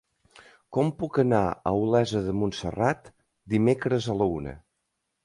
Com puc anar a Olesa de Montserrat dimecres a la una?